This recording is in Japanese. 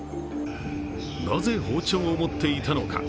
なぜ包丁を持っていたのか。